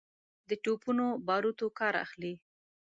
د توپونو باروتو کار اخلي.